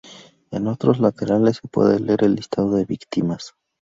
En otros laterales se puede leer el listado de víctimas.